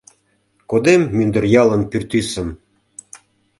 Кодем мӱндыр ялын пӱртӱсым...